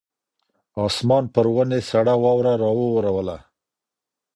اسمان پر ونې سړه واوره راووروله.